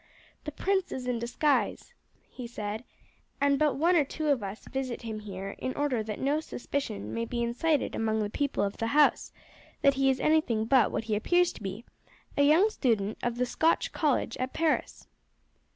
"The prince is in disguise," he said, "and but one or two of us visit him here in order that no suspicion may be incited among the people of the house that he is anything beyond what he appears to be a young student of the Scotch college at Paris."